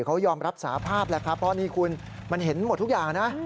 เขายอมรับสาภาพแหละครับเพราะนี่คุณมันเห็นหมดทุกอย่างนะ